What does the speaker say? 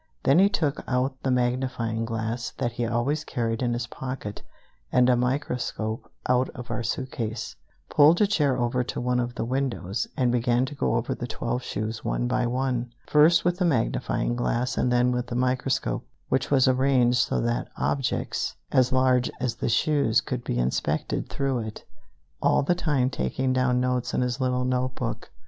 Then he took out the magnifying glass that he always carried in his pocket, and a microscope out of our suit case, pulled a chair over to one of the windows, and began to go over the twelve shoes one by one, first with the magnifying glass and then with the microscope, which was arranged so that objects as large as the shoes could be inspected through it, all the time taking down notes in his little notebook.